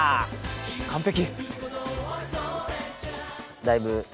完璧！